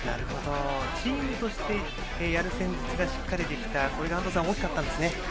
チームとしてやる戦術がしっかりできたこれが安藤さん大きかったんですね。